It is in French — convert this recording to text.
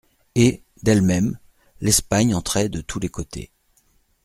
Et, d'elle-même, l'Espagne entrait de tous les côtés.